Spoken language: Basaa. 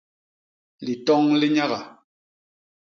Litoñ li nyaga.